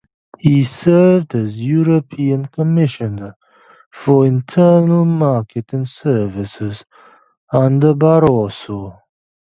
He served as European Commissioner for Internal Market and Services under Barroso.